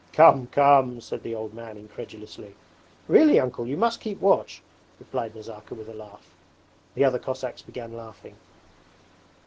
'Come, come!' said the old man incredulously. 'Really, Uncle! You must keep watch,' replied Nazarka with a laugh. The other Cossacks began laughing.